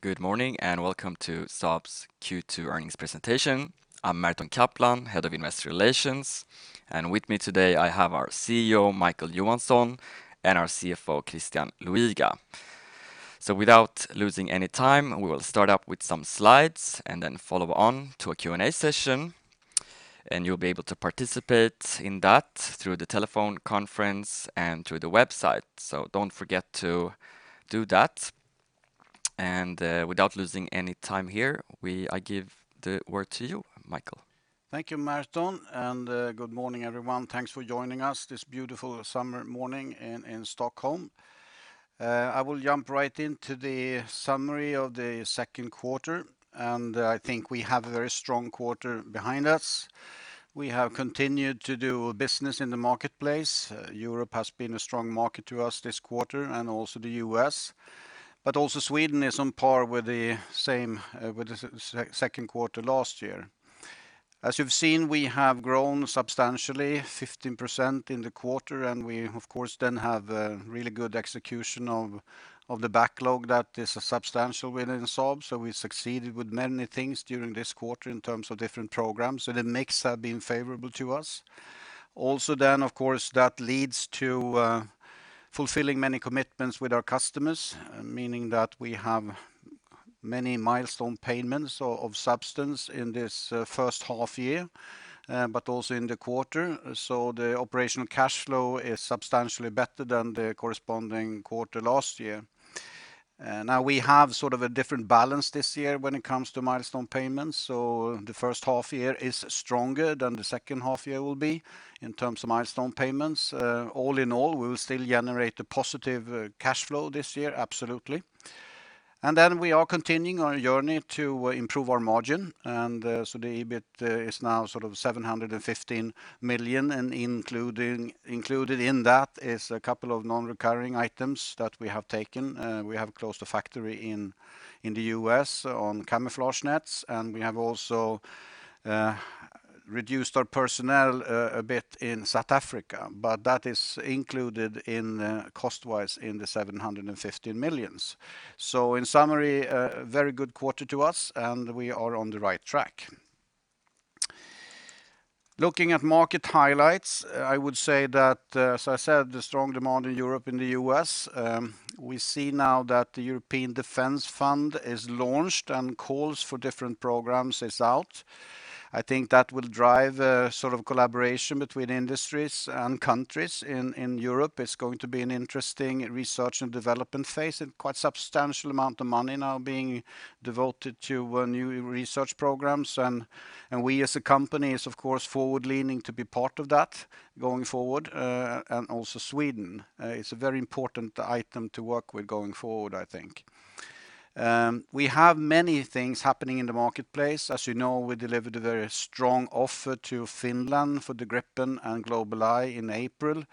Good morning, and welcome to Saab's Q2 earnings presentation. I'm Merton Kaplan, Head of Investor Relations, and with me today I have our CEO, Micael Johansson, and our CFO, Christian Luiga. Without losing any time, we will start up with some slides and then follow on to a Q&A session, and you'll be able to participate in that through the telephone conference and through the website. Don't forget to do that. Without losing any time here, I give the word to you, Micael. Thank you, Merton, and good morning, everyone. Thanks for joining us this beautiful summer morning in Stockholm. I will jump right into the summary of the second quarter, and I think we have a very strong quarter behind us. We have continued to do business in the marketplace. Europe has been a strong market to us this quarter and also the U.S., but also Sweden is on par with the second quarter last year. As you've seen, we have grown substantially, 15% in the quarter, and we, of course, then have really good execution of the backlog that is substantial within Saab. We succeeded with many things during this quarter in terms of different programs. The mix has been favorable to us. Of course, that leads to fulfilling many commitments with our customers, meaning that we have many milestone payments of substance in this first half year but also in the quarter. The operational cash flow is substantially better than the corresponding quarter last year. We have sort of a different balance this year when it comes to milestone payments, so the first half year is stronger than the second half year will be in terms of milestone payments. All in all, we will still generate a positive cash flow this year, absolutely. We are continuing our journey to improve our margin. The EBIT is now sort of 715 million, and included in that is a couple of non-recurring items that we have taken. We have closed a factory in the U.S. on camouflage nets. We have also reduced our personnel a bit in South Africa. That is included in cost-wise in the 715 million. In summary, a very good quarter to us. We are on the right track. Looking at market highlights, I would say that, as I said, the strong demand in Europe and the U.S. We see now that the European Defence Fund is launched. Calls for different programs is out. I think that will drive a sort of collaboration between industries and countries in Europe. It is going to be an interesting research and development phase. Quite substantial amount of money now being devoted to new research programs. We as a company is, of course, forward-leaning to be part of that going forward. Also Sweden is a very important item to work with going forward, I think. We have many things happening in the marketplace. As you know, we delivered a very strong offer to Finland for the Gripen and GlobalEye in April.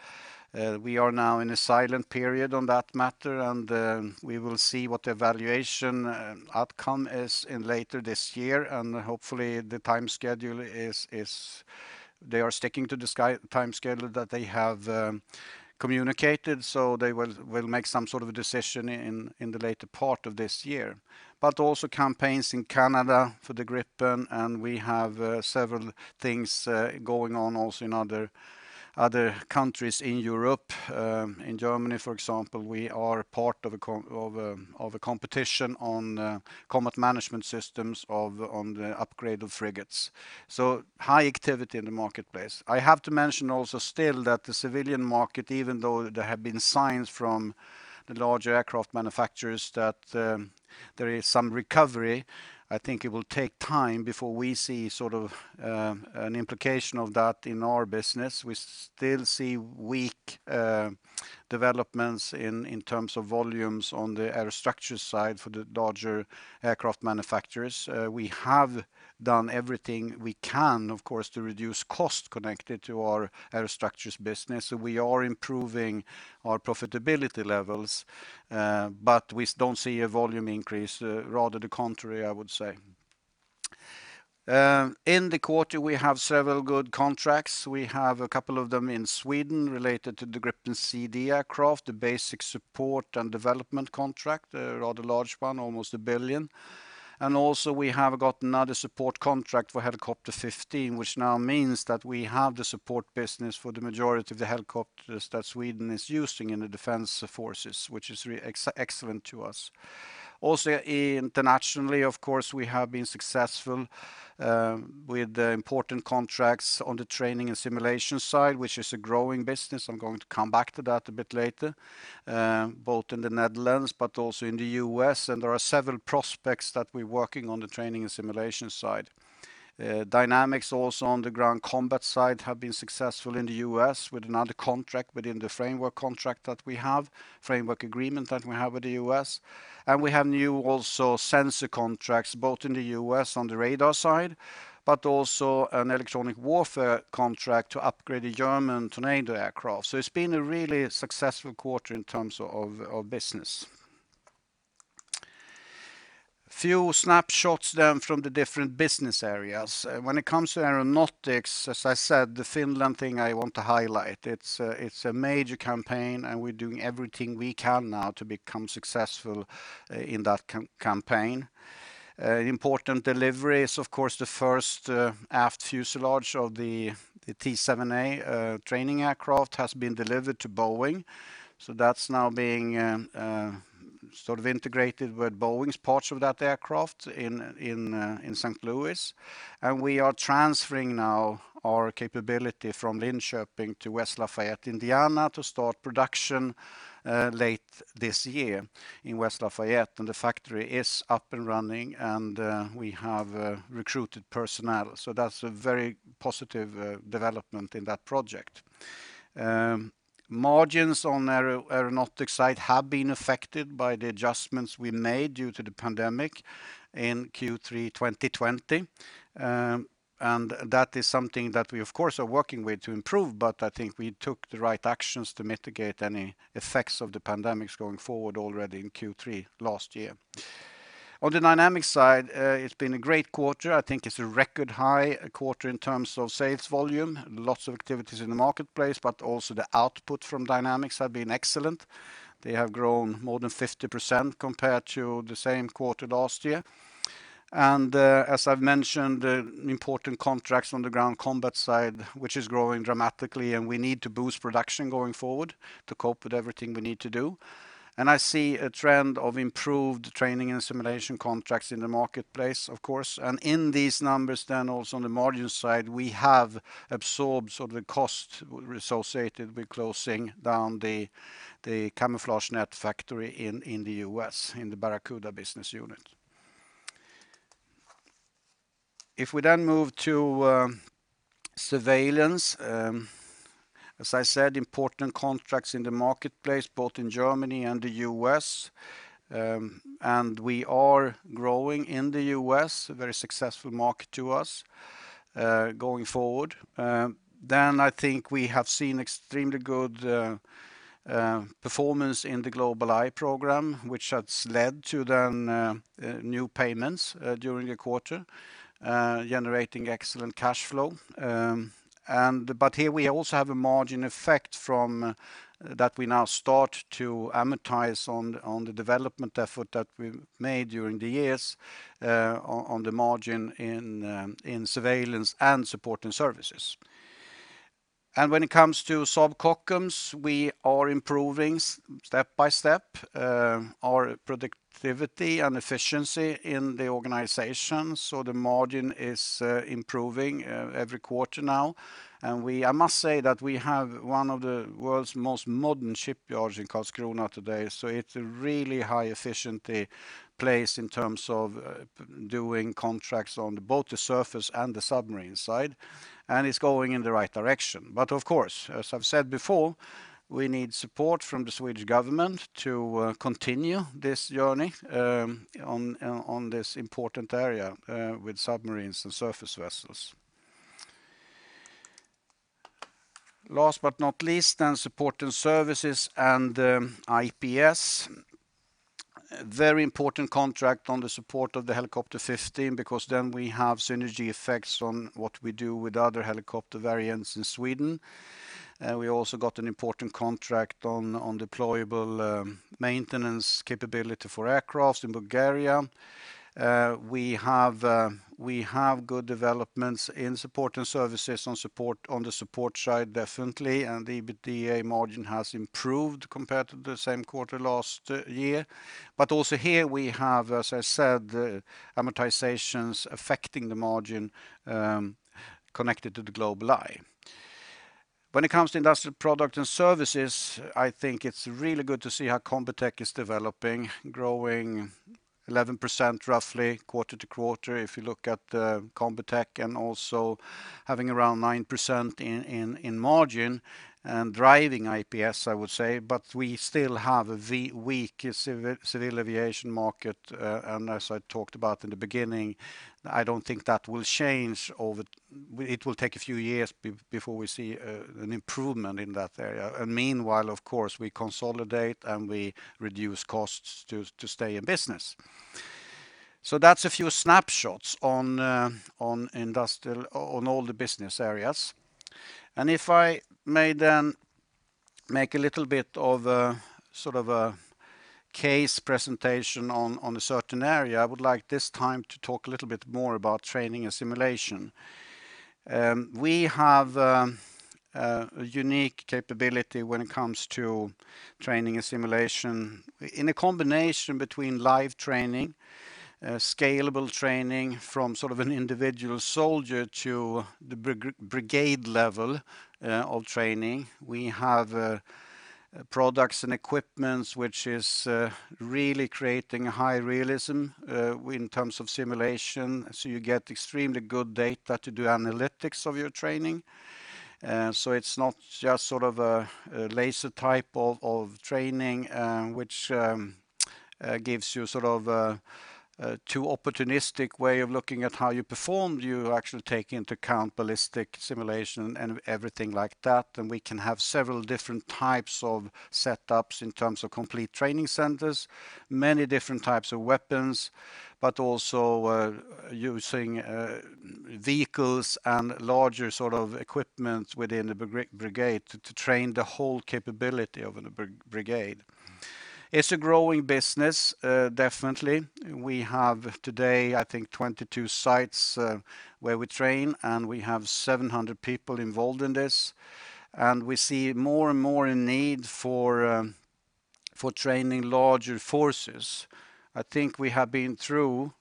We are now in a silent period on that matter. We will see what the evaluation outcome is in later this year. Hopefully they are sticking to the time schedule that they have communicated. They will make some sort of a decision in the later part of this year. Also campaigns in Canada for the Gripen. We have several things going on also in other countries in Europe. In Germany, for example, we are part of a competition on combat management systems on the upgrade of frigates. High activity in the marketplace. I have to mention also still that the civilian market, even though there have been signs from the larger aircraft manufacturers that there is some recovery, I think it will take time before we see sort of an implication of that in our business. We still see weak developments in terms of volumes on the aerostructure side for the larger aircraft manufacturers. We have done everything we can, of course, to reduce cost connected to our Aerostructures business. We are improving our profitability levels, but we don't see a volume increase. Rather the contrary, I would say. In the quarter, we have several good contracts. We have a couple of them in Sweden related to the Gripen C/D aircraft, the basic support and development contract, a rather large one, almost 1 billion. Also we have got another support contract for Helikopter 15, which now means that we have the support business for the majority of the helicopters that Sweden is using in the defense forces, which is excellent to us. Also internationally, of course, we have been successful with the important contracts on the training and simulation side, which is a growing business. I'm going to come back to that a bit later. Both in the Netherlands but also in the U.S., and there are several prospects that we're working on the training and simulation side. Dynamics also on the ground combat side have been successful in the U.S. with another contract within the framework contract that we have, framework agreement that we have with the U.S. We have new also sensor contracts, both in the U.S. on the radar side, but also an electronic warfare contract to upgrade the German Tornado aircraft. It's been a really successful quarter in terms of business. Few snapshots from the different business areas. When it comes to Aeronautics, as I said, the Finland thing I want to highlight. It's a major campaign, and we're doing everything we can now to become successful in that campaign. Important delivery is, of course, the first aft fuselage of the T-7A training aircraft has been delivered to Boeing. That's now being integrated with Boeing's parts of that aircraft in St. Louis. We are transferring now our capability from Linköping to West Lafayette, Indiana, to start production late this year in West Lafayette. The factory is up and running, and we have recruited personnel. That's a very positive development in that project. Margins on Aeronautics side have been affected by the adjustments we made due to the pandemic in Q3 2020. That is something that we, of course, are working with to improve, but I think we took the right actions to mitigate any effects of the pandemic going forward already in Q3 last year. On the Dynamics side, it's been a great quarter. I think it's a record high quarter in terms of sales volume, lots of activities in the marketplace, but also the output from Dynamics have been excellent. They have grown more than 50% compared to the same quarter last year. As I've mentioned, important contracts on the ground combat side, which is growing dramatically, and we need to boost production going forward to cope with everything we need to do. I see a trend of improved training and simulation contracts in the marketplace, of course. In these numbers then also on the margin side, we have absorbed the cost associated with closing down the camouflage net factory in the U.S. in the Barracuda business unit. If we then move to Surveillance, as I said, important contracts in the marketplace, both in Germany and the U.S. We are growing in the U.S., a very successful market to us, going forward. I think we have seen extremely good performance in the GlobalEye program, which has led to then new payments during the quarter, generating excellent cash flow. Here we also have a margin effect from that we now start to amortize on the development effort that we made during the years, on the margin in Surveillance and Support and Services. When it comes to Saab Kockums, we are improving step by step, our productivity and efficiency in the organization. The margin is improving every quarter now. I must say that we have one of the world's most modern shipyards in Karlskrona today, so it's a really high efficiency place in terms of doing contracts on both the surface and the submarine side, and it's going in the right direction. Of course, as I've said before, we need support from the Swedish government to continue this journey on this important area with submarines and surface vessels. Last but not least, support and services and IPS. Very important contract on the support of the Helikopter 15 because then we have synergy effects on what we do with other helicopter variants in Sweden. We also got an important contract on deployable maintenance capability for aircraft in Bulgaria. We have good developments in support and services on the support side, definitely, and the EBITDA margin has improved compared to the same quarter last year. Also here we have, as I said, amortizations affecting the margin, connected to the GlobalEye. When it comes to industrial product and services, I think it's really good to see how Combitech is developing, growing 11% roughly quarter-over-quarter. If you look at Combitech and also having around 9% in margin and driving IPS, I would say. We still have a weak civil aviation market, and as I talked about in the beginning, I don't think that will change. It will take a few years before we see an improvement in that area. Meanwhile, of course, we consolidate and we reduce costs to stay in business. That's a few snapshots on all the business areas. If I may then make a little bit of a case presentation on a certain area, I would like this time to talk a little bit more about training and simulation. We have a unique capability when it comes to training and simulation in a combination between live training, scalable training from an individual soldier to the brigade level of training. We have products and equipment which is really creating high realism in terms of simulation, so you get extremely good data to do analytics of your training. It's not just a laser type of training, which gives you a too opportunistic way of looking at how you performed. You actually take into account ballistic simulation and everything like that. We can have several different types of setups in terms of complete training centers, many different types of weapons, but also using vehicles and larger equipment within the brigade to train the whole capability of the brigade. It's a growing business, definitely. We have today, I think, 22 sites where we train, and we have 700 people involved in this. We see more and more in need for training larger forces. I think we have been through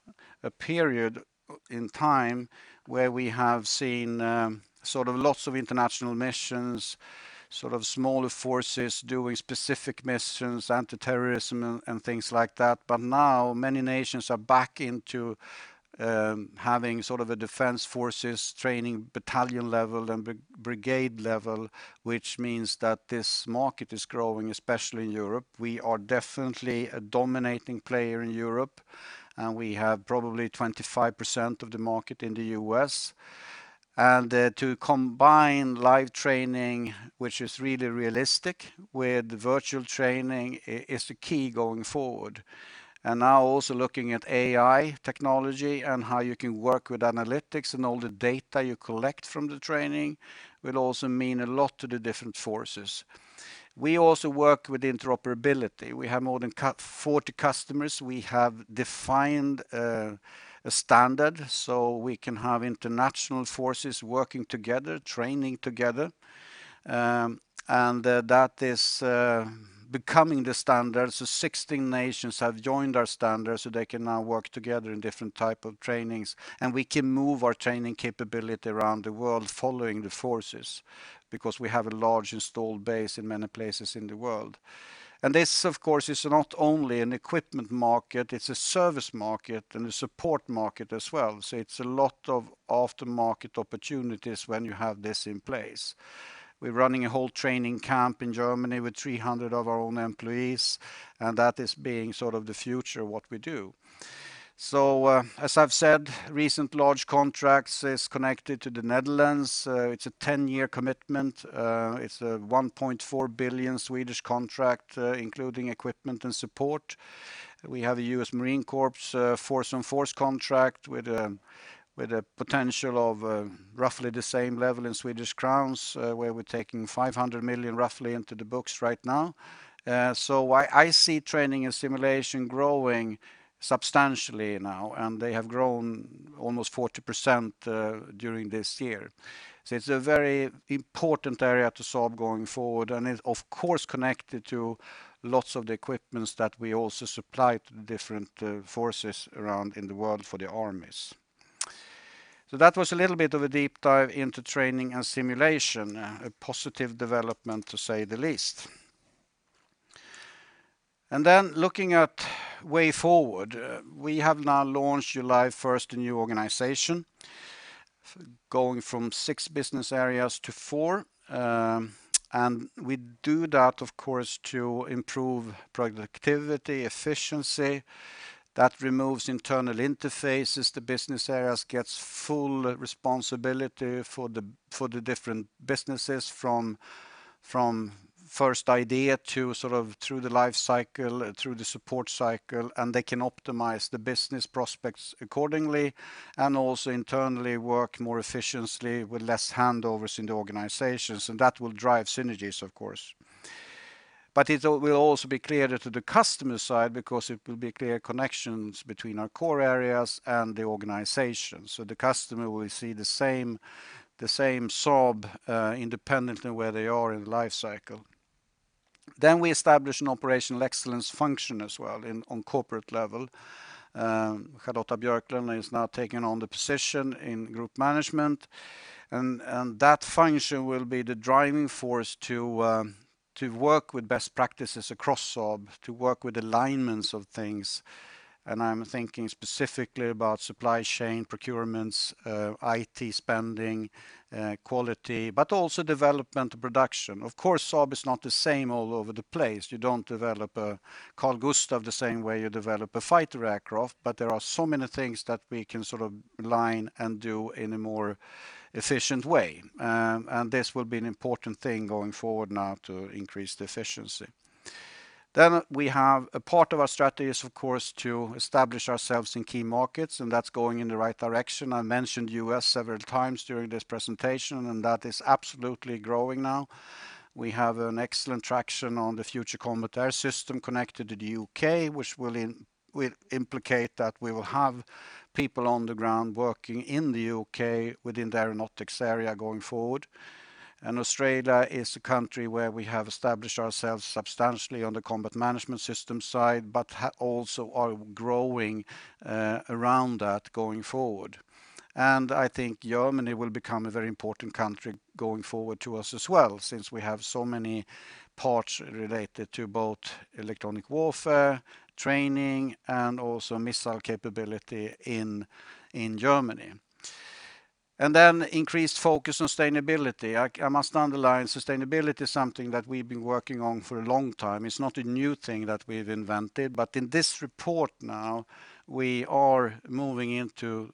a period in time where we have seen lots of international missions, smaller forces doing specific missions, anti-terrorism and things like that. Now many nations are back into having a defense forces training battalion level and brigade level, which means that this market is growing, especially in Europe. We are definitely a dominating player in Europe, and we have probably 25% of the market in the U.S. To combine live training, which is really realistic, with virtual training, is the key going forward. Now also looking at AI technology and how you can work with analytics and all the data you collect from the training will also mean a lot to the different forces. We also work with interoperability. We have more than 40 customers. We have defined a standard so we can have international forces working together, training together. That is becoming the standard. 16 nations have joined our standard, so they can now work together in different type of trainings, and we can move our training capability around the world following the forces because we have a large installed base in many places in the world. This, of course, is not only an equipment market, it's a service market and a support market as well. It's a lot of aftermarket opportunities when you have this in place. We're running a whole training camp in Germany with 300 of our own employees, and that is being the future of what we do. As I've said, recent large contracts is connected to the Netherlands. It's a 10-year commitment. It's a 1.4 billion Swedish contract, including equipment and support. We have a US Marine Corps force-on-force contract with a potential of roughly the same level in Swedish crowns, where we're taking 500 million roughly into the books right now. I see training and simulation growing substantially now, and they have grown almost 40% during this year. It's a very important area to solve going forward and is, of course, connected to lots of the equipments that we also supply to the different forces around in the world for the armies. That was a little bit of a deep dive into training and simulation, a positive development to say the least. Looking at way forward, we have now launched July 1st, a new organization going from six business areas to four. We do that, of course, to improve productivity, efficiency. That removes internal interfaces. The business areas gets full responsibility for the different businesses from first idea to through the life cycle, through the support cycle, and they can optimize the business prospects accordingly, and also internally work more efficiently with less handovers in the organizations, and that will drive synergies, of course. It will also be clearer to the customer side because it will be clear connections between our core areas and the organization. The customer will see the same Saab independently where they are in life cycle. We establish an operational excellence function as well on corporate level. Charlotta Björklund is now taking on the position in group management. That function will be the driving force to work with best practices across Saab, to work with alignments of things. I'm thinking specifically about supply chain procurements, IT spending, quality, but also development production. Of course, Saab is not the same all over the place. You don't develop a Carl-Gustaf the same way you develop a fighter aircraft. There are so many things that we can align and do in a more efficient way. This will be an important thing going forward now to increase the efficiency. We have a part of our strategy is, of course, to establish ourselves in key markets. That's going in the right direction. I mentioned U.S. several times during this presentation, that is absolutely growing now. We have an excellent traction on the Future Combat Air System connected to the U.K., which will implicate that we will have people on the ground working in the U.K. within the Aeronautics area going forward. Australia is a country where we have established ourselves substantially on the combat management system side, but also are growing around that going forward. I think Germany will become a very important country going forward to us as well, since we have so many parts related to both electronic warfare, training, and also missile capability in Germany. Increased focus on sustainability. I must underline, sustainability is something that we've been working on for a long time. It's not a new thing that we've invented. In this report now, we are moving into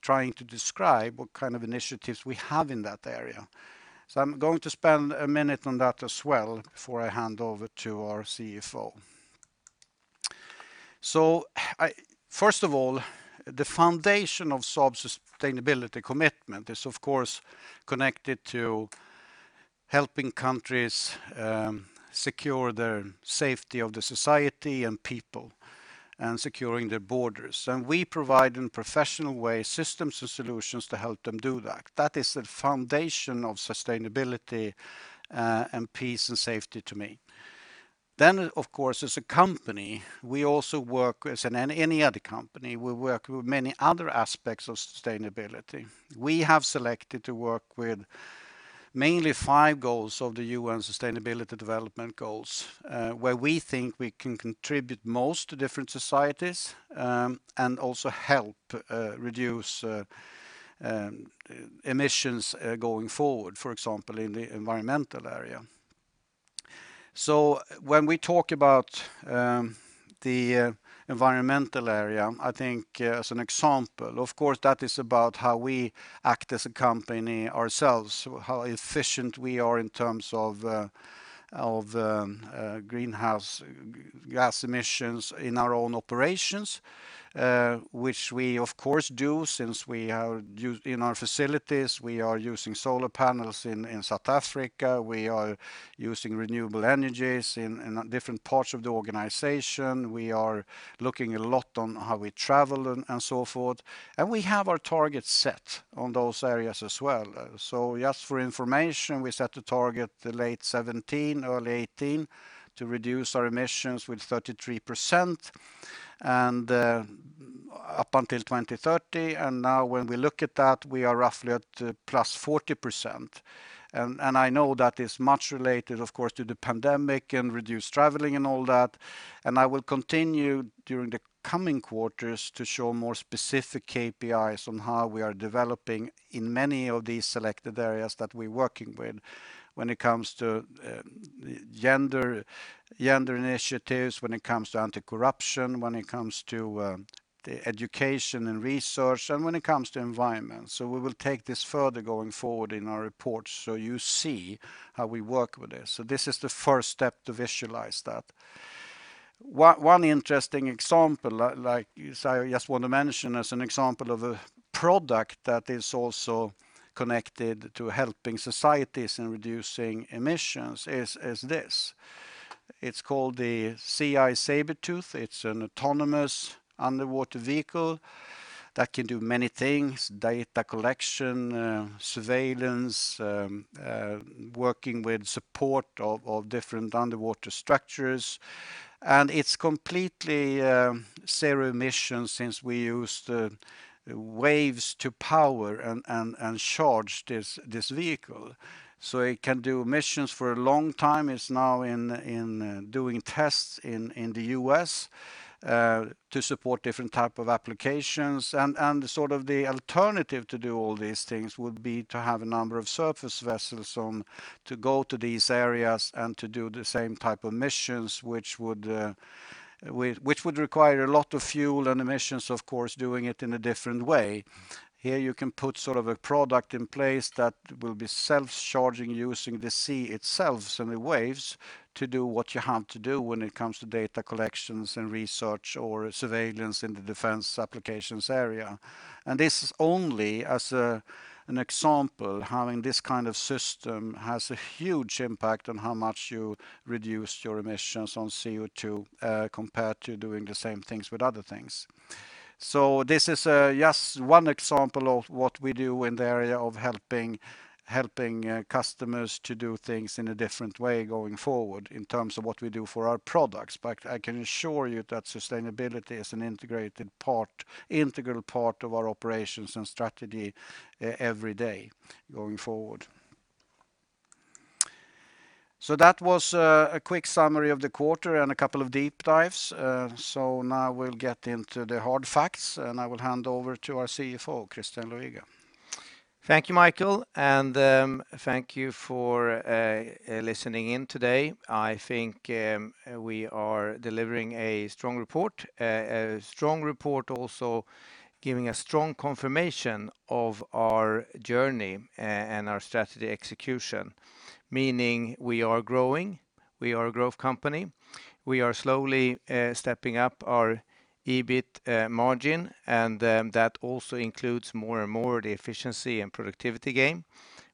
trying to describe what kind of initiatives we have in that area. I'm going to spend a minute on that as well before I hand over to our CFO. First of all, the foundation of Saab's sustainability commitment is, of course, connected to helping countries secure the safety of their society and people, and securing their borders. We provide, in a professional way, systems and solutions to help them do that. That is the foundation of sustainability and peace and safety to me. Of course, as a company, we also work, as any other company, we work with many other aspects of sustainability. We have selected to work with mainly five goals of the UN Sustainable Development Goals, where we think we can contribute most to different societies, and also help reduce emissions going forward, for example, in the environmental area. When we talk about the environmental area, I think as an example, of course, that is about how we act as a company ourselves, how efficient we are in terms of greenhouse gas emissions in our own operations, which we of course do since in our facilities, we are using solar panels in South Africa, we are using renewable energies in different parts of the organization, we are looking a lot on how we travel and so forth. We have our targets set on those areas as well. Just for your information, we set the target in late 2017, early 2018, to reduce our emissions with 33% up until 2030. Now when we look at that, we are roughly at +40%. I know that is much related, of course, to the pandemic and reduced traveling and all that. I will continue during the coming quarters to show more specific KPIs on how we are developing in many of these selected areas that we're working with when it comes to gender initiatives, when it comes to anti-corruption, when it comes to education and research, and when it comes to environment. We will take this further going forward in our report so you see how we work with this. This is the first step to visualize that. One interesting example I just want to mention as an example of a product that is also connected to helping societies and reducing emissions is this. It's called the Seaeye Sabertooth. It's an autonomous underwater vehicle that can do many things, data collection, surveillance, working with support of different underwater structures. It's completely zero emission since we use the waves to power and charge this vehicle. It can do missions for a long time. It's now doing tests in the U.S. to support different type of applications. The alternative to do all these things would be to have a number of surface vessels to go to these areas and to do the same type of missions, which would require a lot of fuel and emissions, of course, doing it in a different way. Here you can put a product in place that will be self-charging using the sea itself and the waves to do what you have to do when it comes to data collections and research or surveillance in the defense applications area. This is only as an example, having this kind of system has a huge impact on how much you reduce your emissions on CO2 compared to doing the same things with other things. This is just one example of what we do in the area of helping customers to do things in a different way going forward in terms of what we do for our products. I can assure you that sustainability is an integral part of our operations and strategy every day going forward. That was a quick summary of the quarter and a couple of deep dives. Now we'll get into the hard facts, and I will hand over to our CFO, Christian Luiga. Thank you, Micael, and thank you for listening in today. I think we are delivering a strong report. A strong report also giving a strong confirmation of our journey and our strategy execution, meaning we are growing, we are a growth company. We are slowly stepping up our EBIT margin. That also includes more and more the efficiency and productivity gain,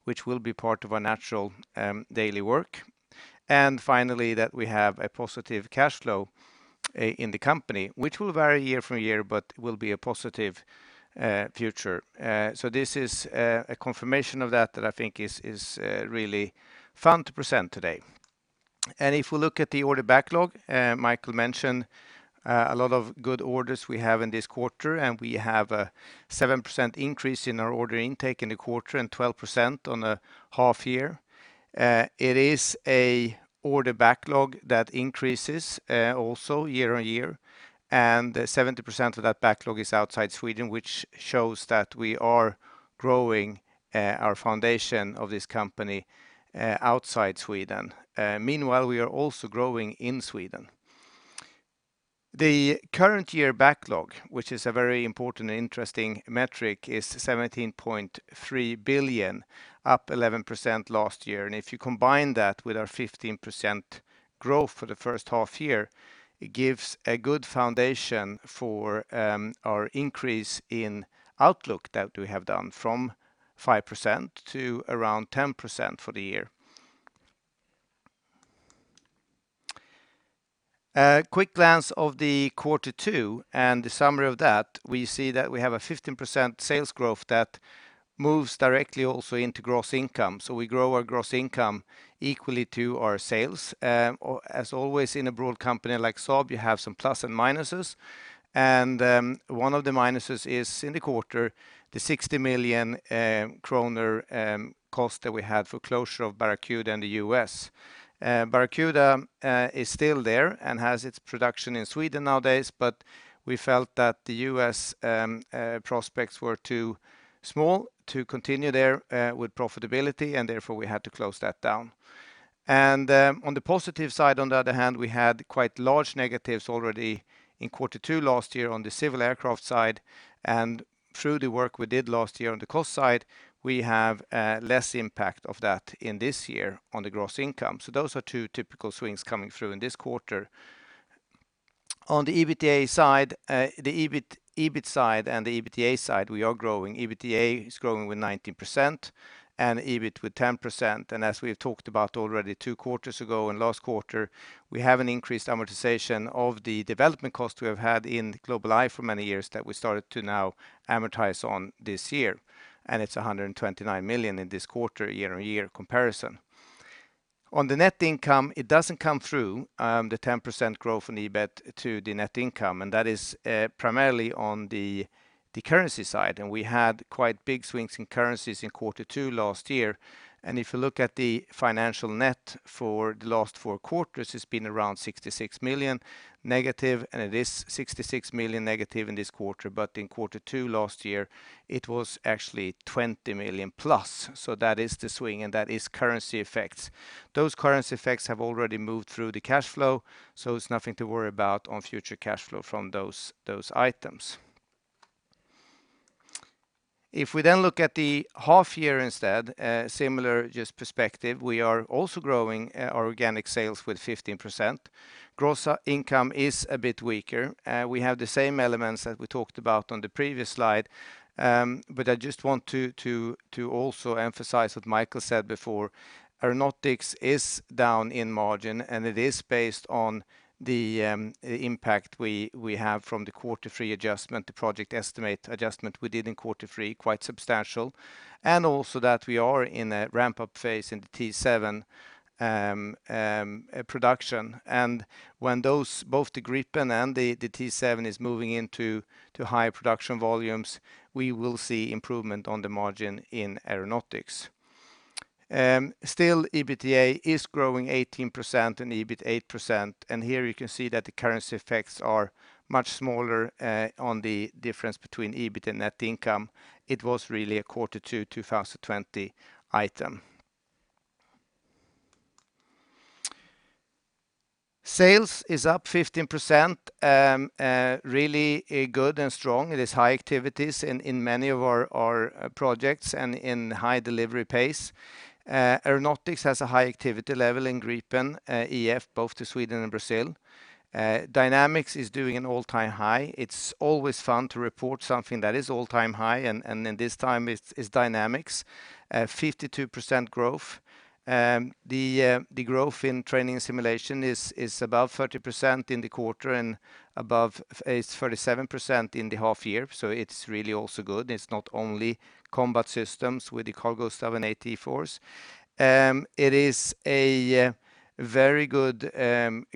which will be part of our natural daily work. Finally, that we have a positive cash flow in the company, which will vary year-from-year, but will be a positive future. This is a confirmation of that that I think is really fun to present today. If we look at the order backlog, Micael mentioned a lot of good orders we have in this quarter, and we have a 7% increase in our order intake in the quarter and 12% on a half year. It is a order backlog that increases also year-on-year. 70% of that backlog is outside Sweden, which shows that we are growing our foundation of this company outside Sweden. Meanwhile, we are also growing in Sweden. The current year backlog, which is a very important and interesting metric, is 17.3 billion, up 11% last year. If you combine that with our 15% growth for the first half-year, it gives a good foundation for our increase in outlook that we have done from 5%-10% for the year. A quick glance of the quarter two and the summary of that, we see that we have a 15% sales growth that moves directly also into gross income. We grow our gross income equally to our sales. As always in a broad company like Saab, you have some plus and minuses. One of the minuses is, in the quarter, the 60 million kronor cost that we had for closure of Barracuda in the U.S. Barracuda is still there and has its production in Sweden nowadays, but we felt that the U.S. prospects were too small to continue there with profitability, and therefore, we had to close that down. On the positive side, on the other hand, we had quite large negatives already in quarter two last year on the civil aircraft side. Through the work we did last year on the cost side, we have less impact of that in this year on the gross income. Those are two typical swings coming through in this quarter. On the EBIT side and the EBITDA side, we are growing. EBITDA is growing with 19% and EBIT with 10%. As we have talked about already two quarters ago and last quarter, we have an increased amortization of the development cost we have had in GlobalEye for many years that we started to now amortize on this year, and it is 129 million in this quarter, year-on-year comparison. On the net income, it doesn't come through, the 10% growth on EBIT to the net income, that is primarily on the currency side. We had quite big swings in currencies in quarter two last year. If you look at the financial net for the last four quarters, it's been around -66 million, and it is -66 million in this quarter. In quarter two last year, it was actually 20+ million. That is the swing, and that is currency effects. Those currency effects have already moved through the cash flow, so it's nothing to worry about on future cash flow from those items. If we then look at the half year instead, similar just perspective, we are also growing our organic sales with 15%. Gross income is a bit weaker. We have the same elements that we talked about on the previous slide. I just want to also emphasize what Micael said before, Aeronautics is down in margin, and it is based on the impact we have from the quarter three adjustment, the project estimate adjustment we did in quarter three, quite substantial, and also that we are in a ramp-up phase in the T-7 production. When both the Gripen and the T-7 is moving into higher production volumes, we will see improvement on the margin in Aeronautics. Still, EBITDA is growing 18% and EBIT 8%. Here you can see that the currency effects are much smaller on the difference between EBIT and net income. It was really a Q2 2020 item. Sales is up 15%, really good and strong. It is high activities in many of our projects and in high delivery pace. Aeronautics has a high activity level in Gripen E/F, both to Sweden and Brazil. Dynamics is doing an all-time high. It's always fun to report something that is all-time high, and this time it's Dynamics, 52% growth. The growth in training and simulation is above 30% in the quarter and above is 37% in the half year. It's really also good. It's not only combat systems with the Carl-Gustaf and AT4s. It is a very good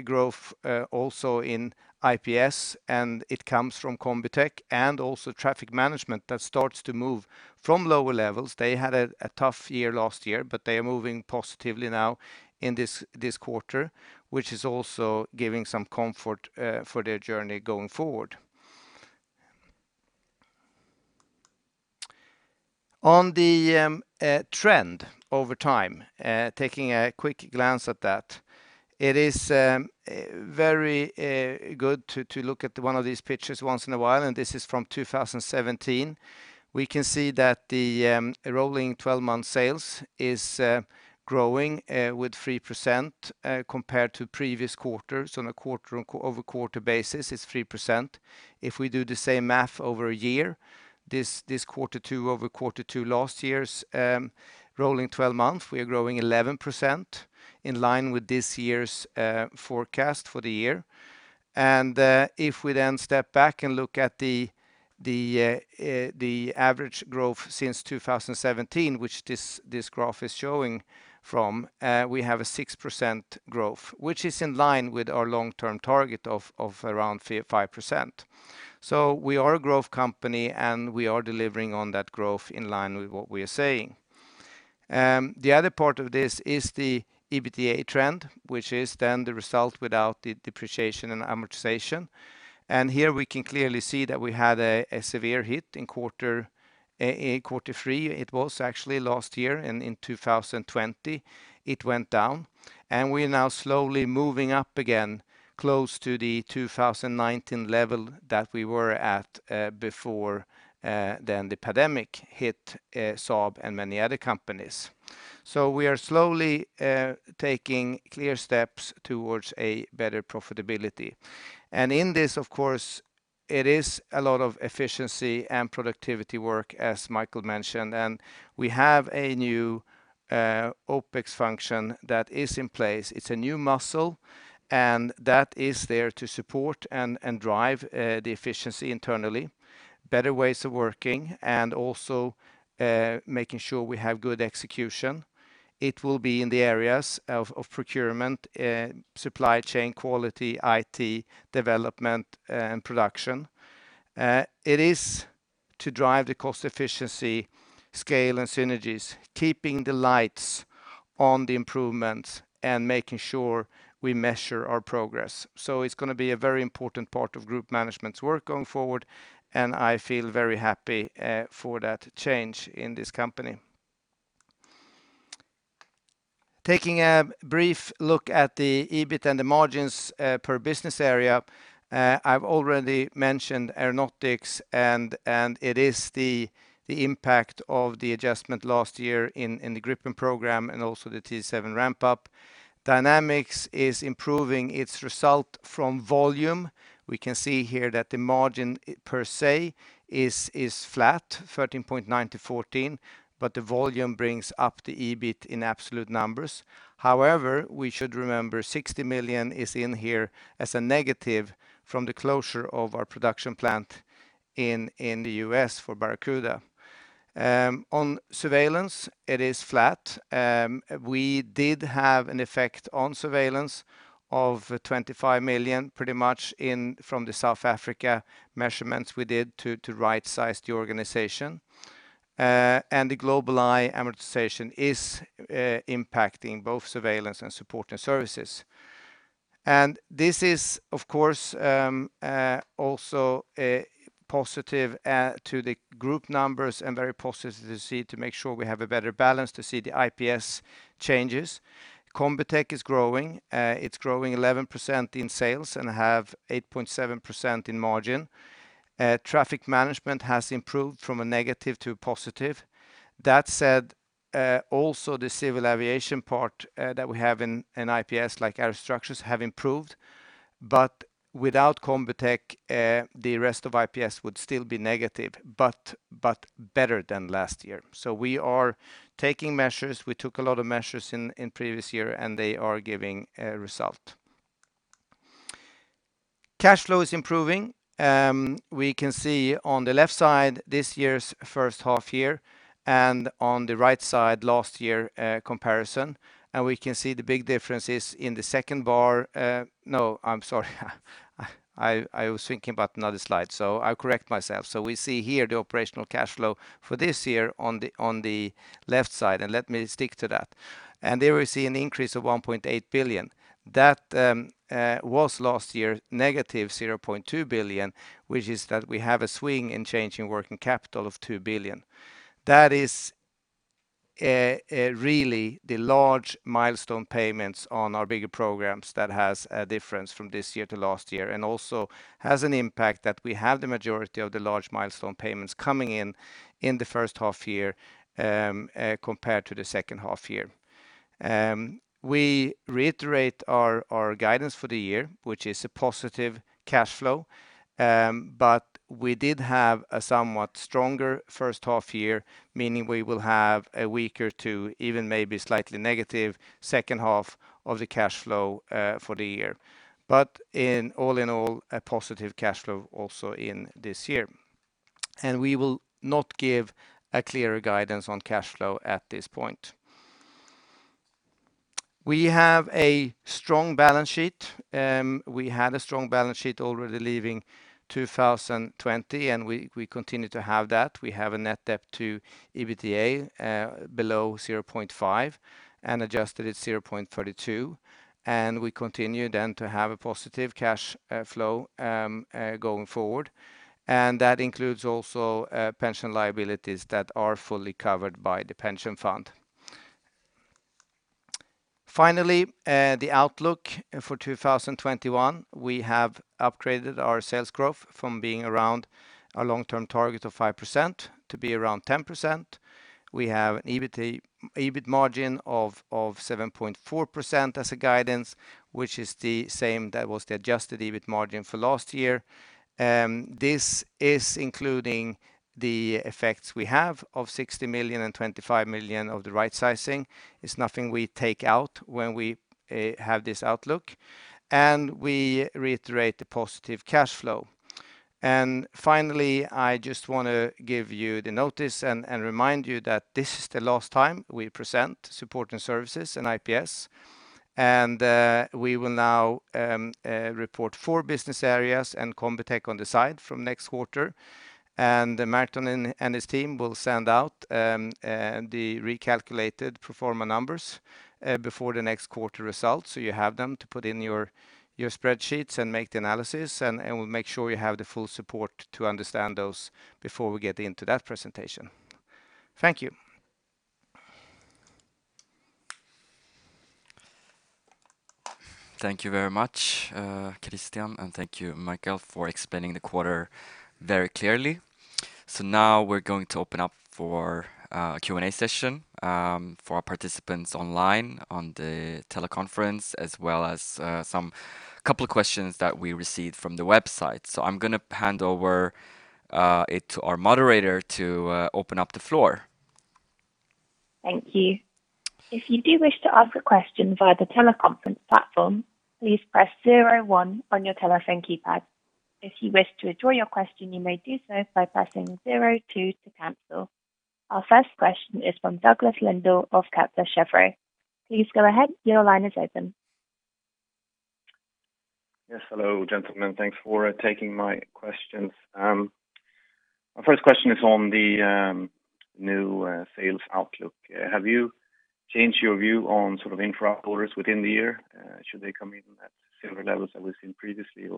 growth also in IPS, and it comes from Combitech and also Traffic Management that starts to move from lower levels. They had a tough year last year, but they are moving positively now in this quarter, which is also giving some comfort for their journey going forward. On the trend over time, taking a quick glance at that, it is very good to look at one of these pictures once in a while, and this is from 2017. We can see that the rolling 12-month sales is growing with 3% compared to previous quarters. On a quarter-over-quarter basis, it's 3%. If we do the same math over a year, this quarter two-over-quarter two last year's rolling 12-month, we are growing 11%, in line with this year's forecast for the year. If we step back and look at the average growth since 2017, which this graph is showing from, we have a 6% growth, which is in line with our long-term target of around 5%. We are a growth company, we are delivering on that growth in line with what we are saying. The other part of this is the EBITDA trend, which is the result without the depreciation and amortization. Here we can clearly see that we had a severe hit in quarter three. It was actually last year in 2020, it went down, we are now slowly moving up again, close to the 2019 level that we were at before the pandemic hit Saab and many other companies. We are slowly taking clear steps towards a better profitability. In this, of course, it is a lot of efficiency and productivity work, as Micael mentioned. We have a new OpEx function that is in place. It's a new muscle, and that is there to support and drive the efficiency internally, better ways of working, and also making sure we have good execution. It will be in the areas of procurement, supply chain quality, IT, development, and production. It is to drive the cost efficiency, scale, and synergies, keeping the lights on the improvements, and making sure we measure our progress. It's going to be a very important part of group management's work going forward, and I feel very happy for that change in this company. Taking a brief look at the EBIT and the margins per business area. I've already mentioned Aeronautics, and it is the impact of the adjustment last year in the Gripen program and also the T-7 ramp-up. Dynamics is improving its result from volume. We can see here that the margin per se is flat, 13.9%-14%, but the volume brings up the EBIT in absolute numbers. However, we should remember 60 million is in here as a negative from the closure of our production plant in the U.S. for Barracuda. On Surveillance, it is flat. We did have an effect on Surveillance of 25 million, pretty much from the South Africa measurements we did to right size the organization. The GlobalEye amortization is impacting both Surveillance and Support and Services. This is, of course, also positive to the group numbers and very positive to see to make sure we have a better balance to see the IPS changes. Combitech is growing. It is growing 11% in sales and have 8.7% in margin. Traffic Management has improved from a negative to a positive. That said, also the civil aviation part that we have in IPS, like Aerostructures, have improved. Without Combitech, the rest of IPS would still be negative, but better than last year. We are taking measures. We took a lot of measures in previous year, and they are giving result. Cash flow is improving. We can see on the left side this year's first half-year, and on the right side last year comparison. We can see the big differences in the second bar. No, I'm sorry. I was thinking about another slide, so I correct myself. We see here the operational cash flow for this year on the left side, and let me stick to that. There we see an increase of 1.8 billion. That was last year, -0.2 billion, which is that we have a swing in change in working capital of 2 billion. That is really the large milestone payments on our bigger programs that has a difference from this year to last year and also has an impact that we have the majority of the large milestone payments coming in in the first half year, compared to the second half year. We reiterate our guidance for the year, which is a positive cash flow, but we did have a somewhat stronger first half year, meaning we will have a weaker to even maybe slightly negative second half of the cash flow for the year. All in all, a positive cash flow also in this year. We will not give a clearer guidance on cash flow at this point. We have a strong balance sheet. We had a strong balance sheet already leaving 2020. We continue to have that. We have a net debt to EBITDA below 0.5x, and adjusted, it's 0.32x. We continue then to have a positive cash flow, going forward. That includes also pension liabilities that are fully covered by the pension fund. Finally, the outlook for 2021, we have upgraded our sales growth from being around a long-term target of 5% to be around 10%. We have an EBIT margin of 7.4% as a guidance, which is the same that was the adjusted EBIT margin for last year. This is including the effects we have of 60 million and 25 million of the right sizing. It's nothing we take out when we have this outlook, and we reiterate the positive cash flow. Finally, I just want to give you the notice and remind you that this is the last time we present support and services in IPS. We will now report four business areas and Combitech on the side from next quarter. Merton and his team will send out the recalculated pro forma numbers before the next quarter results so you have them to put in your spreadsheets and make the analysis, and we'll make sure you have the full support to understand those before we get into that presentation. Thank you. Thank you very much, Christian, and thank you, Micael, for explaining the quarter very clearly. Now we're going to open up for a Q&A session for our participants online on the teleconference, as well as a couple of questions that we received from the website. I'm going to hand over it to our moderator to open up the floor. Thank you. If you do wish to ask a question via the teleconference platform, please press zero one on your telephone keypad. If you wish to withdraw your question, you may do so by pressing zero two to cancel. Our first question is from Douglas Lindahl of Kepler Cheuvreux. Please go ahead. Your line is open. Yes, hello, gentlemen. Thanks for taking my questions. My first question is on the new sales outlook. Have you changed your view on sort of intra-orders within the year? Should they come in at similar levels that we've seen previously,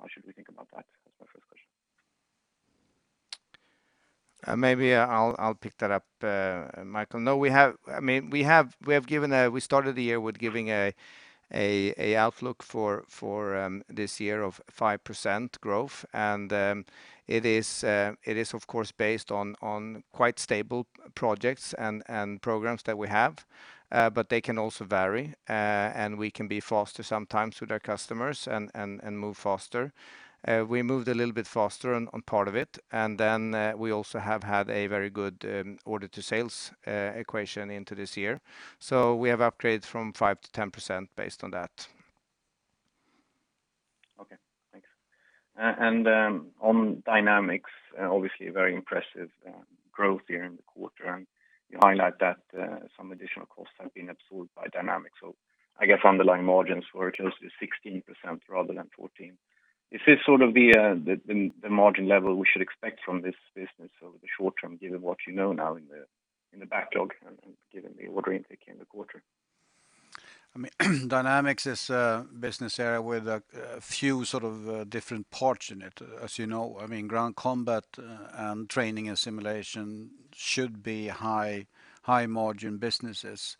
or how should we think about that? That's my first question. Maybe I'll pick that up, Micael. We started the year with giving an outlook for this year of 5% growth. It is, of course, based on quite stable projects and programs that we have, but they can also vary, and we can be faster sometimes with our customers and move faster. We moved a little bit faster on part of it, and then we also have had a very good order to sales equation into this year. We have upgraded from 5% to 10% based on that. Okay, thanks. On Dynamics, obviously very impressive growth here in the quarter, and you highlight that some additional costs have been absorbed by Dynamics. I guess underlying margins were close to 16% rather than 14%. Is this sort of the margin level we should expect from this business over the short term, given what you know now in the backlog and given the order intake in the quarter? Dynamics is a business area with a few sort of different parts in it, as you know. Ground combat and training and simulation should be high margin businesses.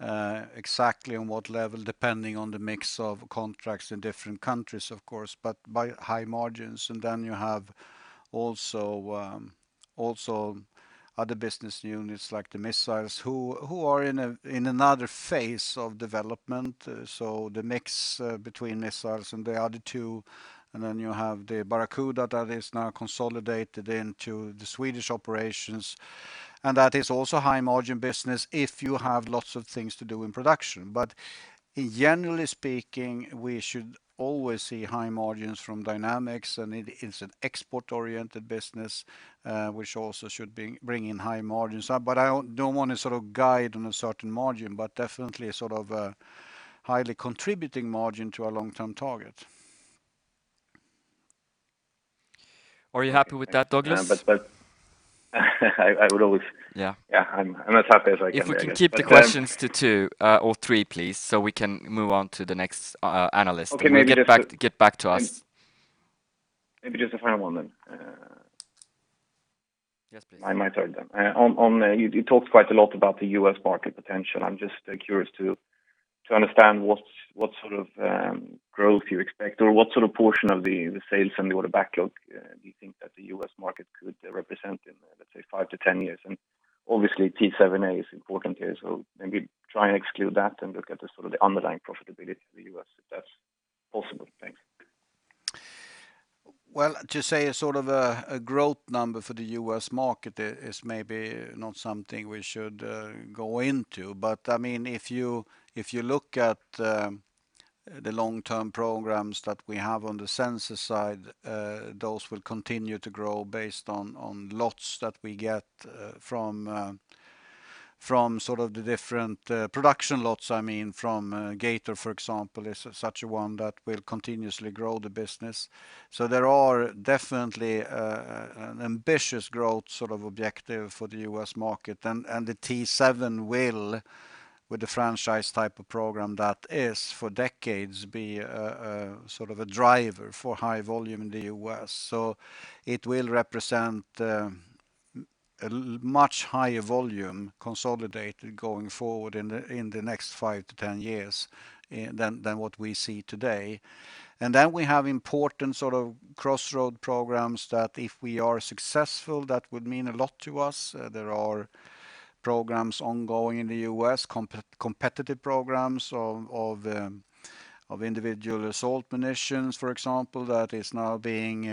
Exactly on what level, depending on the mix of contracts in different countries, of course, but by high margins. Then you have also other business units like the missiles who are in another phase of development. The mix between missiles and the other two, and then you have the Barracuda that is now consolidated into the Swedish operations, and that is also high margin business if you have lots of things to do in production. Generally speaking, we should always see high margins from Dynamics, and it is an export-oriented business, which also should bring in high margins. I don't want to sort of guide on a certain margin, but definitely a sort of highly contributing margin to our long-term target. Are you happy with that, Douglas? I would always- Yeah. Yeah, I'm as happy as I can be, I guess. If we could keep the questions to two or three, please, so we can move on to the next analyst. Okay, maybe. We'll get back to us. Maybe just a final one then. Yes, please. My third. You talked quite a lot about the U.S. market potential. I'm just curious to understand what sort of growth you expect or what sort of portion of the sales and the order backlog do you think that the U.S. market could represent in, let's say, 5-10 years? Obviously, T-7A is important here, so maybe try and exclude that and look at the sort of underlying profitability for the U.S., if that's possible. Thanks. Well, to say a sort of a growth number for the U.S. market is maybe not something we should go into. If you look at the long-term programs that we have on the sensor side, those will continue to grow based on lots that we get from sort of the different production lots, I mean, from G/ATOR, for example, is such a one that will continuously grow the business. There are definitely an ambitious growth sort of objective for the U.S. market. The T-7 will, with the franchise type of program that is for decades, be a sort of a driver for high volume in the U.S. It will represent a much higher volume consolidated going forward in the next 5 to 10 years than what we see today. We have important crossroad programs that if we are successful, that would mean a lot to us. There are programs ongoing in the U.S., competitive programs of individual assault munitions, for example, that is now being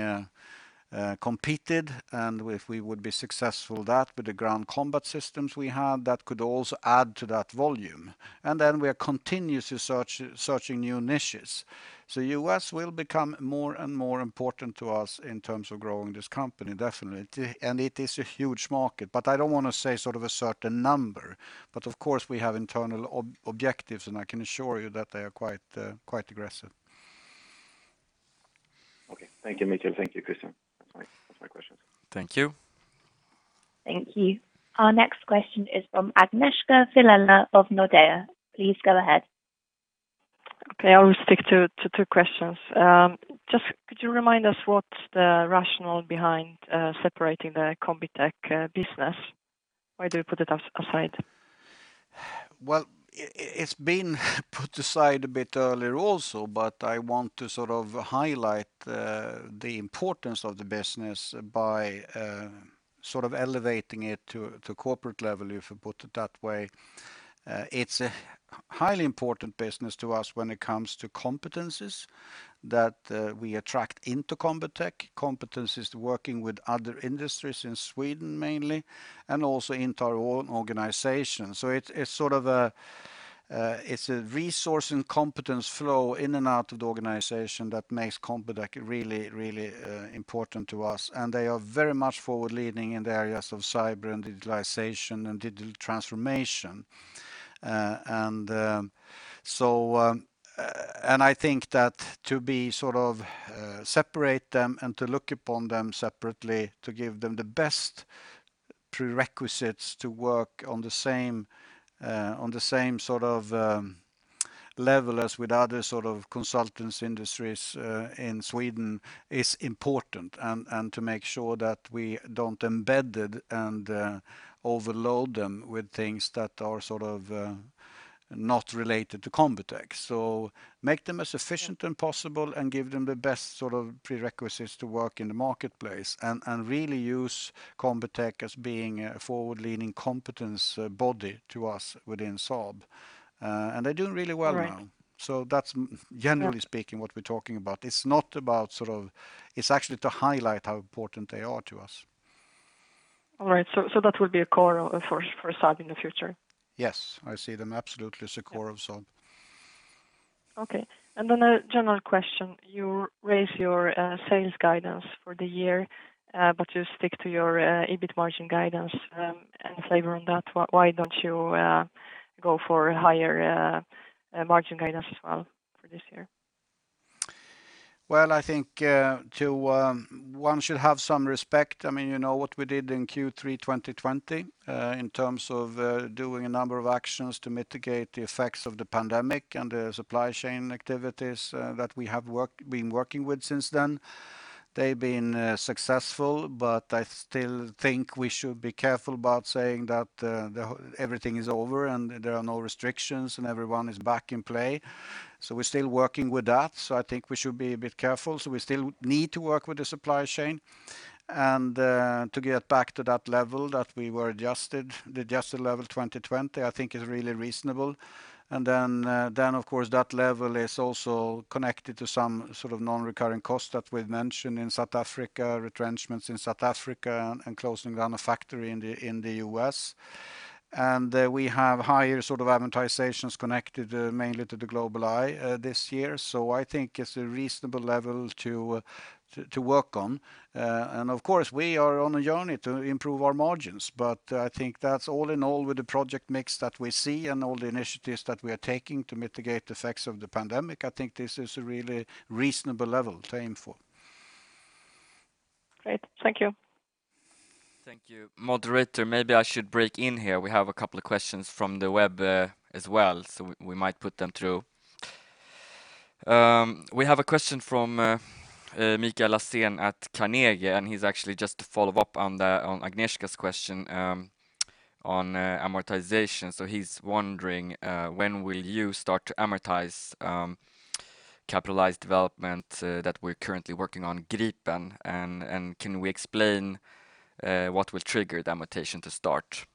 competed. If we would be successful with that, with the ground combat systems we have, that could also add to that volume. We are continuously searching new niches. U.S. will become more and more important to us in terms of growing this company, definitely. Of course, we have internal objectives, and I can assure you that they are quite aggressive. Okay. Thank you, Micael Johansson. Thank you, Christian Luiga. That's my questions. Thank you. Thank you. Our next question is from Agnieszka Vilela of Nordea. Please go ahead. Okay. I will stick to two questions. Just could you remind us what's the rationale behind separating the Combitech business? Why do you put it aside? Well, it's been put aside a bit earlier also, but I want to highlight the importance of the business by elevating it to corporate level, if we put it that way. It's a highly important business to us when it comes to competencies that we attract into Combitech, competencies working with other industries in Sweden mainly, and also into our own organization. It's a resource and competence flow in and out of the organization that makes Combitech really important to us. They are very much forward-leaning in the areas of cyber and digitalization and digital transformation. I think that to separate them and to look upon them separately, to give them the best prerequisites to work on the same level as with other sort of consulting industries in Sweden is important, and to make sure that we don't embed it and overload them with things that are not related to Combitech. Make them as efficient as possible and give them the best prerequisites to work in the marketplace, and really use Combitech as being a forward-leaning competence body to us within SAAB. They're doing really well now. Right. That's generally speaking what we're talking about. It's actually to highlight how important they are to us. All right. That will be a core for Saab in the future? Yes, I see them absolutely as a core of Saab. Okay. A general question. You raise your sales guidance for the year, but you stick to your EBIT margin guidance and flavor on that. Why don't you go for a higher margin guidance as well for this year? I think one should have some respect. You know what we did in Q3 2020, in terms of doing a number of actions to mitigate the effects of the pandemic and the supply chain activities that we have been working with since then. They've been successful, but I still think we should be careful about saying that everything is over and there are no restrictions and everyone is back in play, so we're still working with that. I think we should be a bit careful. We still need to work with the supply chain, and to get back to that level that we were adjusted. The adjusted level 2020, I think is really reasonable. Of course, that level is also connected to some sort of non-recurring cost that we've mentioned in South Africa, retrenchments in South Africa, and closing down a factory in the U.S. We have higher amortizations connected mainly to the GlobalEye this year. I think it's a reasonable level to work on. Of course, we are on a journey to improve our margins, but I think that's all in all with the project mix that we see and all the initiatives that we are taking to mitigate the effects of the pandemic, I think this is a really reasonable level to aim for. Great. Thank you. Thank you. Moderator, maybe I should break in here. We have a couple of questions from the web as well, so we might put them through. We have a question from Mikael Laséen at Carnegie. He's actually just to follow up on Agnieszka's question on amortization. He's wondering, when will you start to amortize capitalized development that we're currently working on Gripen? Can we explain what will trigger the amortization to start?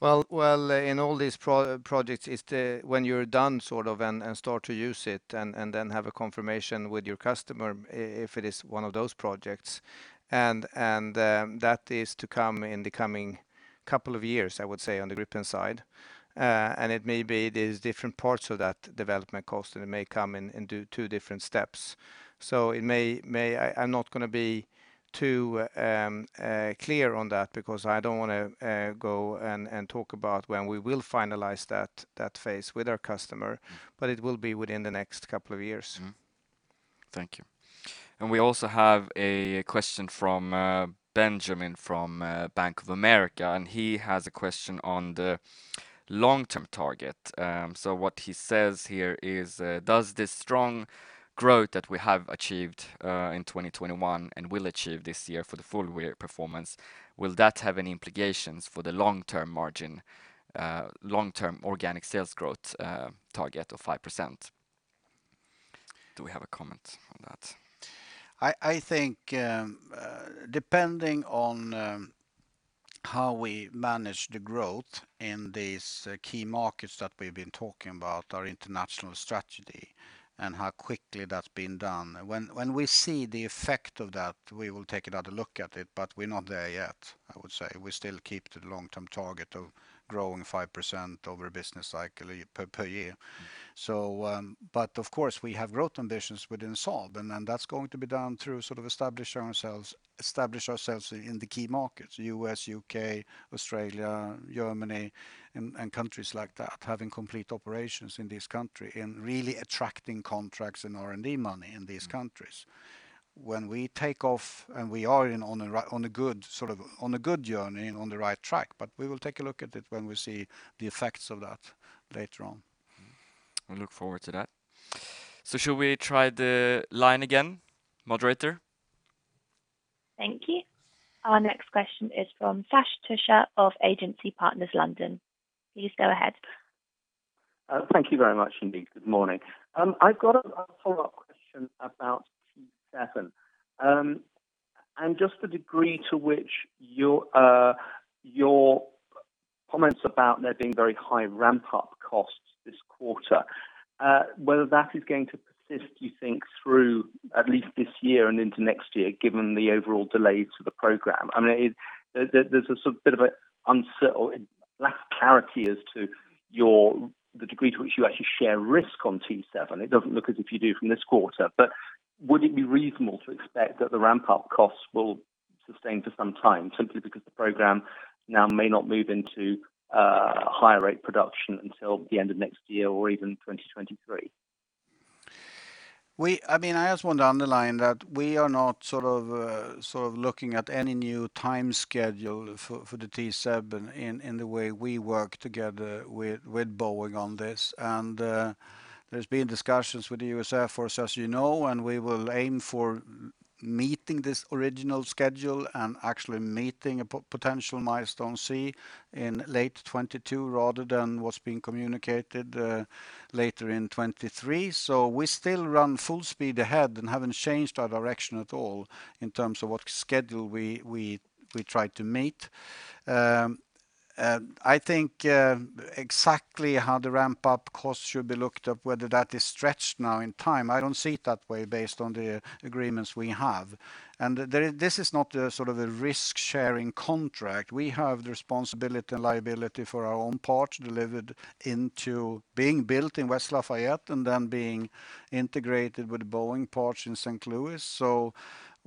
Well, in all these projects, it's when you're done and start to use it, and then have a confirmation with your customer if it is one of those projects. That is to come in the coming couple of years, I would say, on the Gripen side. It may be there's different parts of that development cost, and it may come in two different steps. I'm not going to be too clear on that because I don't want to go and talk about when we will finalize that phase with our customer, but it will be within the next couple of years. Thank you. We also have a question from Benjamin from Bank of America, and he has a question on the long-term target. What he says here is, does this strong growth that we have achieved in 2021 and will achieve this year for the full-year performance, will that have any implications for the long-term margin, long-term organic sales growth target of 5%? Do we have a comment on that? I think depending on how we manage the growth in these key markets that we've been talking about, our international strategy, and how quickly that's been done, when we see the effect of that, we will take another look at it, but we're not there yet, I would say. We still keep to the long-term target of growing 5% over a business cycle per year. Of course, we have growth ambitions within Saab, and that's going to be done through establishing ourselves in the key markets, U.S., U.K., Australia, Germany, and countries like that, having complete operations in this country and really attracting contracts and R&D money in these countries. When we take off, and we are on a good journey and on the right track, but we will take a look at it when we see the effects of that later on. We look forward to that. Should we try the line again, Moderator? Thank you. Our next question is from Sash Tusa of Agency Partners London. Please go ahead. Thank you very much, indeed. Good morning. I've got a follow-up question about T-7, and just the degree to which your comments about there being very high ramp-up costs this quarter, whether that is going to persist, you think, through at least this year and into next year, given the overall delays to the program. There's a bit of an uncertain or lack of clarity as to the degree to which you actually share risk on T-7. It doesn't look as if you do from this quarter, but would it be reasonable to expect that the ramp-up costs will sustain for some time, simply because the program now may not move into higher rate production until the end of next year or even 2023? I just want to underline that we are not looking at any new time schedule for the T-7 in the way we work together with Boeing on this. There's been discussions with the US Air Force, as you know, and we will aim for meeting this original schedule and actually meeting a potential Milestone C in late 2022 rather than what's being communicated later in 2023. We still run full speed ahead and haven't changed our direction at all in terms of what schedule we try to meet. I think exactly how the ramp-up costs should be looked at, whether that is stretched now in time, I don't see it that way based on the agreements we have. This is not a risk-sharing contract. We have the responsibility and liability for our own parts delivered into being built in West Lafayette and then being integrated with Boeing parts in St. Louis.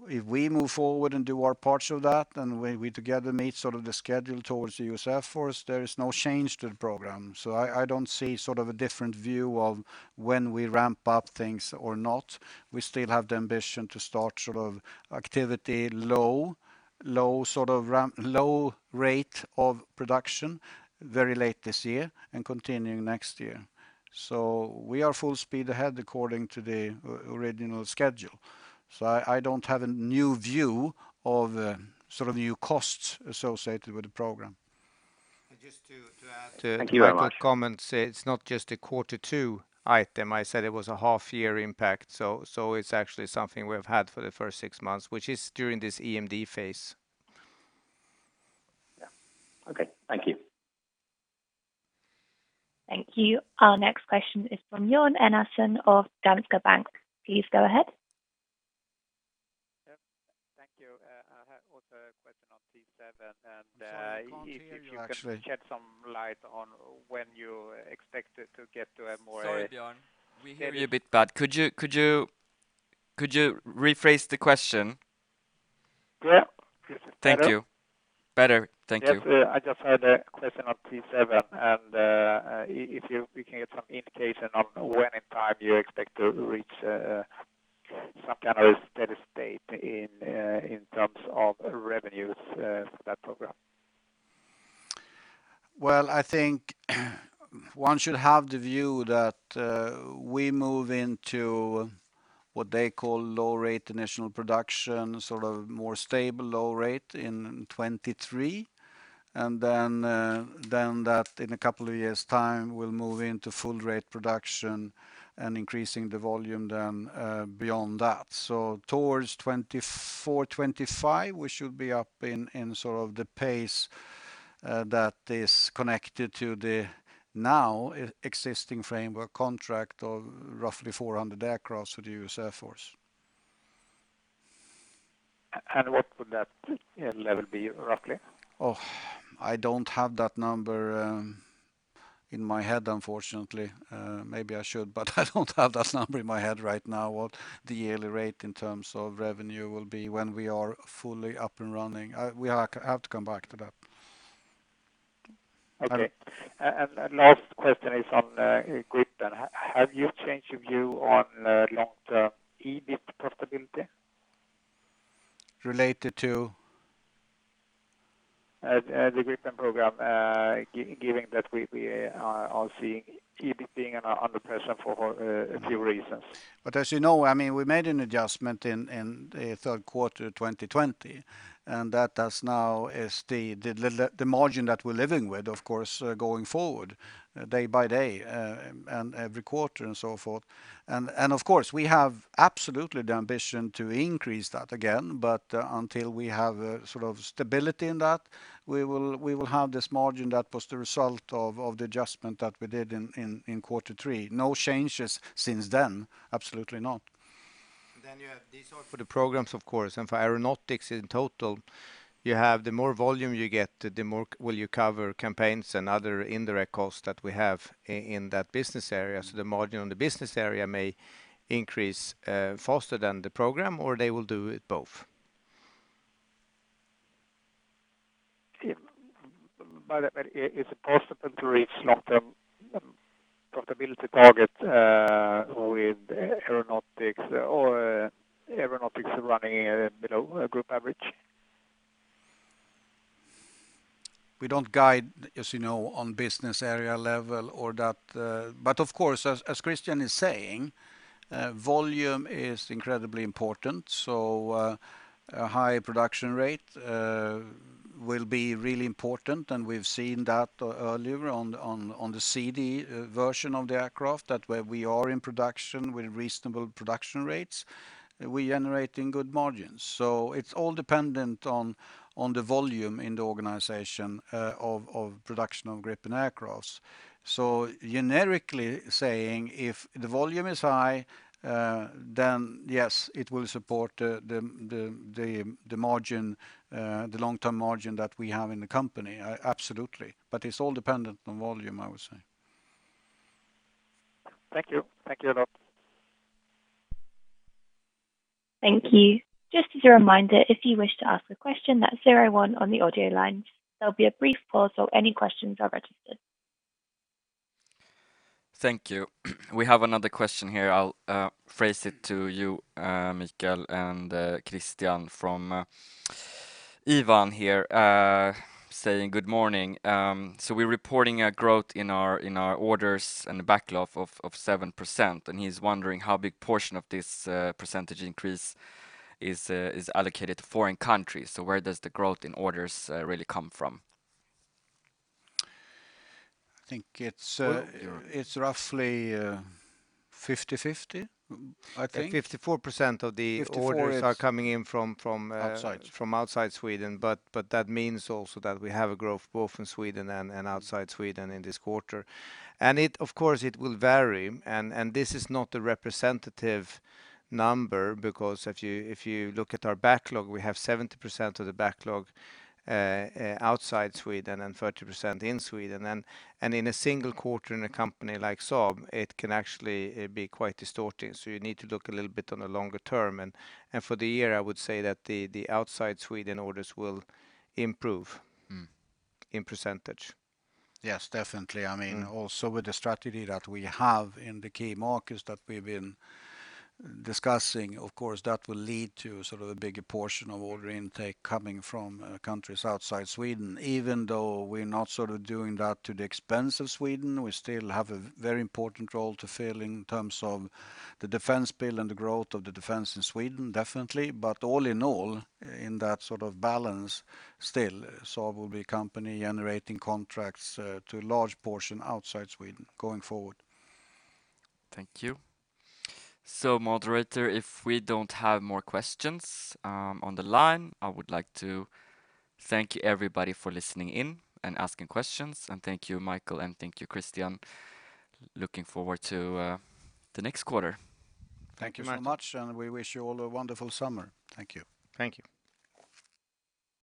If we move forward and do our parts of that, and we together meet the schedule towards the US Air Force, there is no change to the program. I don't see a different view of when we ramp up things or not. We still have the ambition to start activity low rate of production very late this year and continuing next year. We are full speed ahead according to the original schedule. I don't have a new view of new costs associated with the program. Thank you very much. Just to add to Micael's comment, it's not just a quarter two item. I said it was a half-year impact, so it's actually something we've had for the first six months, which is during this EMD phase. Yeah. Okay. Thank you. Thank you. Our next question is from Björn Enarson of Danske Bank. Please go ahead. Yep. Thank you. I had also a question on T-7. I'm sorry, I can't hear you, actually. If you could shed some light on when you expect it to get to a more? Sorry, Björn Enarson. We hear you a bit bad. Could you rephrase the question? Yeah. Thank you. Better? Thank you. Yes. I just had a question on T-7, and if we can get some indication on when in time you expect to reach some kind of a steady state in terms of revenues for that program. Well, I think one should have the view that we move into what they call low rate initial production, more stable low rate in 2023, and then that in a couple years' time, we'll move into full rate production and increasing the volume then beyond that. Towards 2024, 2025, we should be up in the pace that is connected to the now existing framework contract of roughly 400 aircraft for the U.S. Air Force. What would that level be, roughly? I don't have that number in my head, unfortunately. Maybe I should, but I don't have that number in my head right now, what the yearly rate in terms of revenue will be when we are fully up and running. I have to come back to that. Okay. Last question is on guidance. Have you changed your view on long-term EBIT profitability? Related to? The Gripen program, given that we are seeing EBIT being under pressure for a few reasons. As you know, we made an adjustment in the third quarter 2020, that is now the margin that we're living with, of course, going forward, day by day, and every quarter and so forth. Of course, we have absolutely the ambition to increase that again, but until we have stability in that, we will have this margin that was the result of the adjustment that we did in quarter three. No changes since then, absolutely not. You have these are for the programs, of course. For Aeronautics in total, you have the more volume you get, the more will you cover campaigns and other indirect costs that we have in that business area. The margin on the business area may increase faster than the program, or they will do it both. Is it possible to reach long-term profitability target with Aeronautics, or Aeronautics running below group average? We don't guide, as you know, on business area level or that. Of course, as Christian is saying, volume is incredibly important, so a high production rate will be really important, and we've seen that earlier on the Gripen C/D version of the aircraft, that where we are in production with reasonable production rates, we're generating good margins. It's all dependent on the volume in the organization of production of Gripen aircraft. Generically saying, if the volume is high, then yes, it will support the long-term margin that we have in the company. Absolutely. It's all dependent on volume, I would say. Thank you. Thank you a lot. Thank you. Just as a reminder, if you wish to ask a question, that's zero one on the audio line. There will be a brief pause while any questions are registered. Thank you. We have another question here. I'll phrase it to you, Micael and Christian, from Ivan here, saying, "Good morning." We're reporting a growth in our orders and the backlog of 7%, and he's wondering how big portion of this percentage increase is allocated to foreign countries. Where does the growth in orders really come from? I think it's roughly 50/50, I think. 54% of the orders are coming in from- Outside from outside Sweden, but that means also that we have a growth both in Sweden and outside Sweden in this quarter. Of course, it will vary, and this is not a representative number because if you look at our backlog, we have 70% of the backlog outside Sweden and 30% in Sweden. In a single quarter in a company like Saab, it can actually be quite distorting, so you need to look a little bit on the longer term. For the year, I would say that the outside Sweden orders will improve in percentage. Yes, definitely. Also with the strategy that we have in the key markets that we've been discussing, of course, that will lead to a bigger portion of order intake coming from countries outside Sweden. Even though we're not doing that to the expense of Sweden, we still have a very important role to fill in terms of the defense build and the growth of the defense in Sweden, definitely. All in all, in that balance, still, Saab will be a company generating contracts to a large portion outside Sweden going forward. Thank you. Moderator, if we don't have more questions on the line, I would like to thank everybody for listening in and asking questions. And thank you, Micael, and thank you, Christian. Looking forward to the next quarter. Thank you so much. Thank you. We wish you all a wonderful summer. Thank you. Thank you.